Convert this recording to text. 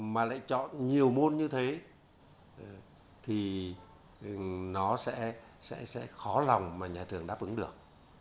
mà lại chọn nhiều môn như thế thì nó sẽ khó lòng mà nhà trường đáp ứng được